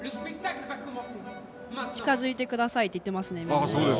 近づいてくださいと言っていますね、皆さんに。